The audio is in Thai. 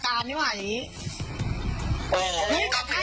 สวัสดีครับทุกคน